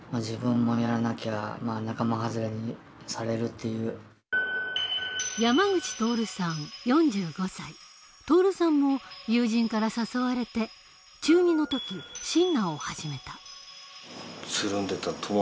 そういうものは求めていたし徹さんも友人から誘われて中２の時シンナーを始めた。